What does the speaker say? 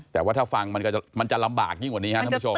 แต่ว่าถ้าฟังมันจะลำบากยิ่งกว่านี้ครับท่านผู้ชม